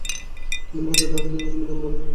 তিনি মূলতঃ ডানহাতি ফাস্ট-মিডিয়াম বোলিং করতেন।